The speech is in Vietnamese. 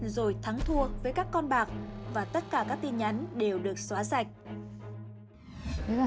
rồi thắng thua với các con bạc và tất cả các tin nhắn đều được xóa sạch